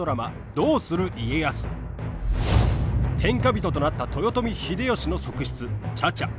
天下人となった豊臣秀吉の側室茶々。